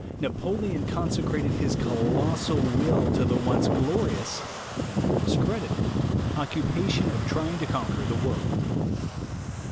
Napoleon consecrated his colossal will to the once glorious and now dis credited occupation of trying to conquer the world.